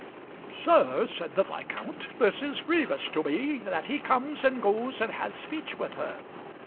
"Sir," said the Viscount, "this is grievous to me that he comes and goes and hath speech with her.